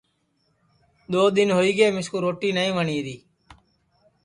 دؔو دؔن ہوئی گے مِسکُو روٹی نائی وٹؔیری